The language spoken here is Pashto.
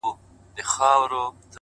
ده ناروا-